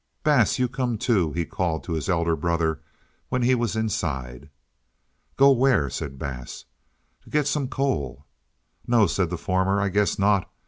"Bass, you come, too," he called to his elder brother when he was inside. "Go where?" said Bass. "To get some coal." "No," said the former, "I guess not.